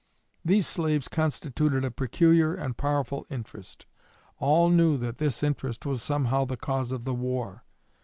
These slaves constituted a peculiar and powerful interest. All knew that this interest was somehow the cause of the war.